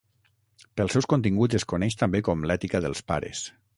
Pels seus continguts es coneix també com l'ètica dels pares.